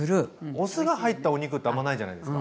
お酢が入ったお肉ってあんまないじゃないですか。